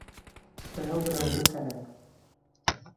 Берәү берәүгә кәрәк